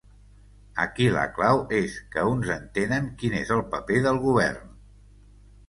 Aquí la clau és que uns entenen quin és el paper del govern.